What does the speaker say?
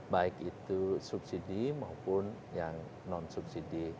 baik itu subsidi maupun yang non subsidi